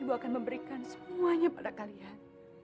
ibu akan memberikan semuanya pada kalian